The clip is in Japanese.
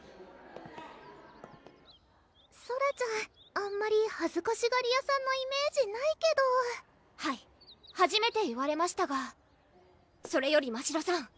あんまりはずかしがり屋さんのイメージないけどはいはじめて言われましたがそれよりましろさん！